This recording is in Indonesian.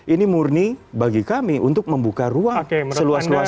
ini murni bagi kami untuk membuka ruang seluas luasnya buat anak anak muda